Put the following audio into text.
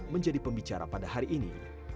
menjadi pembicara pada hari ini